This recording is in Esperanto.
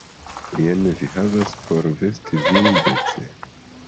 Jen vi havas por vesti vin dece.